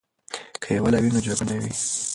که یووالی وي نو جګړه نه وي.